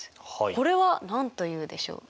これは何と言うでしょう？